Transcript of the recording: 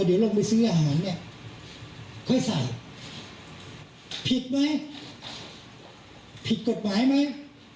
เดี๋ยวลงไปซื้ออาหารเนี่ยค่อยใส่ผิดไหมผิดกฎหมายไหม